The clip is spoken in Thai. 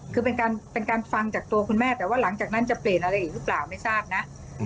คือเป็นการฟังจากตัวคุณแม่แต่ว่าหลังจากนั้นจะเปลี่ยนอะไรอีกหรือเปล่าไม่ทราบนะ